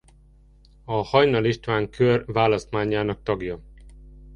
A Hajnal István Kör választmányának tagja.